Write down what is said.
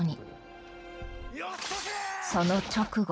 その直後。